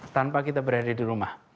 tanpa kita berada di rumah